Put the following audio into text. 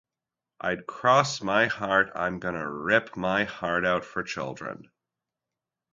I'd cross my heart, I'm gonna rip my heart out for children.